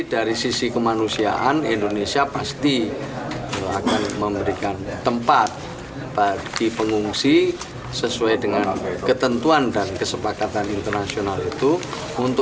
dari sisi kemanusiaan indonesia pasti akan memberikan tempat bagi pengungsi sesuai dengan ketentuan dan kesepakatan internasional itu